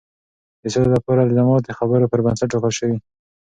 د سولې لپاره الزامات د خبرو پر بنسټ ټاکل شوي.